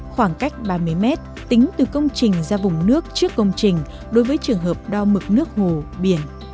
khoảng cách ba mươi mét tính từ công trình ra vùng nước trước công trình đối với trường hợp đo mực nước hồ biển